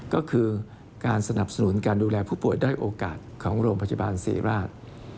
ก็คือการสนับสนุนการดูแลผู้ป่วยด้อยโอกาสของโรงพยาบาลศรีราช